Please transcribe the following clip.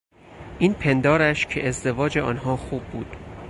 این پندارش که ازدواج آنها خوب بود...